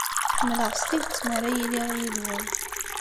Ḥemmleɣ s tidet mi ara iliɣ yid-wen.